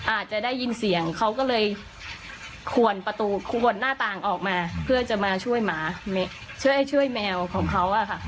อาจจะได้ยินเสียงเขาก็เลยขวนประตูขวนหน้าต่างออกมาเพื่อจะมาช่วยหมาช่วยแมวของเขาอะค่ะ